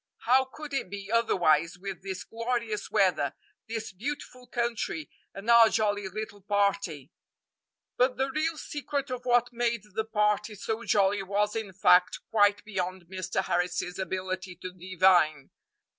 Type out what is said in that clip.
How could it be otherwise with this glorious weather, this beautiful country, and our jolly little party!" But the real secret of what made the party so jolly was, in fact, quite beyond Mr. Harris's ability to divine.